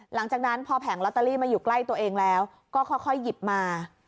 หลังจากนั้นพอแผงลอตเตอรี่มาอยู่ใกล้ตัวเองแล้วก็ค่อยหยิบมา